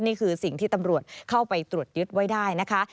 นี่คือสิ่งที่ตำรวจเข้าไปตรวจยึดไว้ได้นะคะ